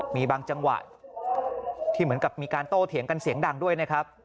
มีบางจังหวะที่เหมือนกับมีการโต้เถียงกันเสียงดังด้วยนะครับ